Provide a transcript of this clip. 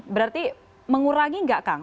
berarti mengurangi enggak kang